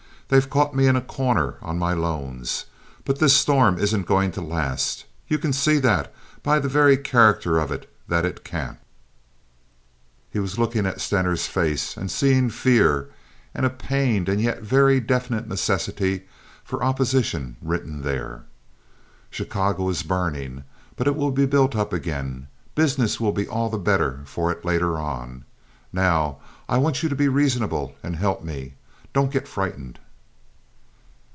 They've caught me in a corner on my loans; but this storm isn't going to last. You can see by the very character of it that it can't." He was looking at Stener's face, and seeing fear and a pained and yet very definite necessity for opposition written there. "Chicago is burning, but it will be built up again. Business will be all the better for it later on. Now, I want you to be reasonable and help me. Don't get frightened."